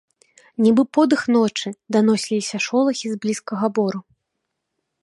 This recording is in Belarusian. Нібы подых ночы, даносіліся шолахі з блізкага бору.